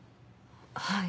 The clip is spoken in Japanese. はい。